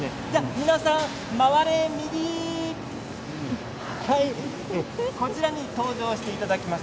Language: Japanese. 皆さん回れ右、こちらに登場していただきました。